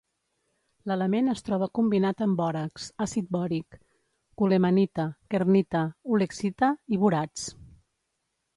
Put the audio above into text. L'element es troba combinat amb bòrax, àcid bòric, colemanita, kernita, ulexita i borats.